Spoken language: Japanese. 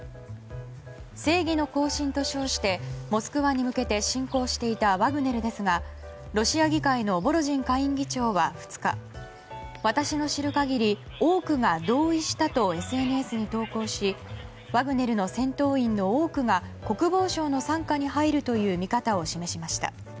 正義の行進と称してモスクワに向けて進行していたワグネルですがロシア議会のボロジン下院議長は２日、私の知る限り多くが同意したとＳＮＳに投稿しワグネルの戦闘員の多くが国防省の傘下に入るという見方を示しました。